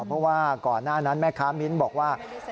เพราะว่าก่อนหน้านั้นแม่ค้ามิ้นบอกว่า